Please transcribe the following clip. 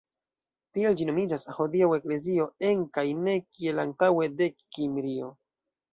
Tial ĝi nomiĝas hodiaŭ eklezio "en" kaj ne kiel antaŭe "de" Kimrio.